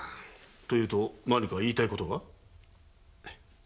というと何か言いたいことが？